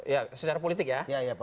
ya secara politik ya